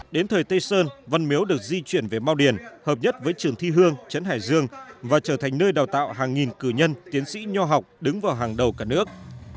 đến thời tây sơn văn miếu được di chuyển về mau điền hợp nhất với trường thi hương trấn hải dương và trở thành nơi đào tạo hàng nghìn cử nhân tiến sĩ nho học đứng vào hàng đầu cả nước